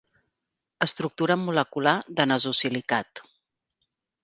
Estructura molecular de nesosilicat.